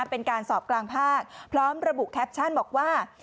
เป็นการสอบกลางภาคพร้อมระบุแคปชั่นบอกว่า